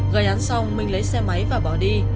gợi án xong mình lấy xe máy và bỏ đi